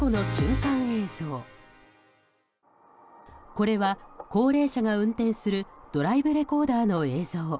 これは高齢者が運転するドライブレコーダーの映像。